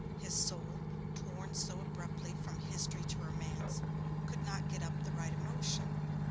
His soul, torn so abruptly from history to romance, could not get up the right emotion.